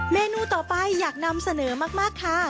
เมนูต่อไปอยากนำเสนอมากค่ะ